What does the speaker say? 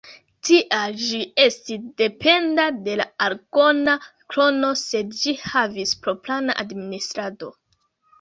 Tial ĝi estis dependa de la aragona krono sed ĝi havis propran administradon.